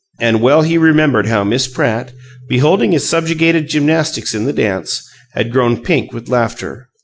And well he remembered how Miss Pratt, beholding his subjugated gymnastics in the dance, had grown pink with laughter!